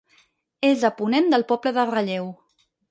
És a ponent del poble de Ralleu.